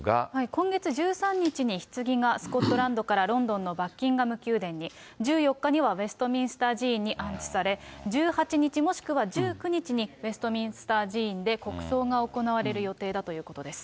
今月１３日にひつぎがスコットランドからロンドンのバッキンガム宮殿に、１４日にはウェストミンスター寺院に安置され、１８日もしくは１９日にウェストミンスター寺院で国葬が行われるということです。